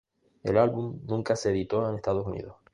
El álbum nunca se editó en Estados Unidos.